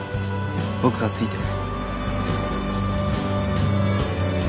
僕がついてる。